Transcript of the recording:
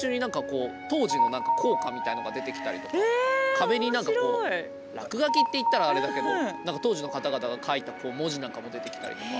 壁になんかこう落書きって言ったらあれだけどなんか当時の方々が書いた文字なんかも出てきたりとか。